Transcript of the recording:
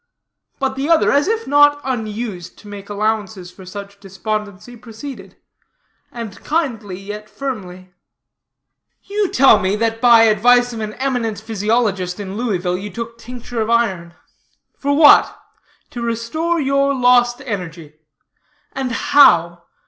But the other, as if not unused to make allowances for such despondency, proceeded; and kindly, yet firmly: "You tell me, that by advice of an eminent physiologist in Louisville, you took tincture of iron. For what? To restore your lost energy. And how?